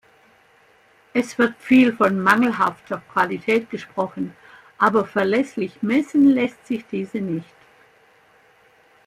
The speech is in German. Es wird viel von mangelhafter Qualität gesprochen, aber verlässlich messen lässt sich diese nicht.